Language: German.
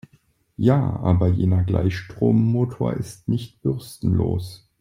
Ja, aber jener Gleichstrommotor ist nicht bürstenlos.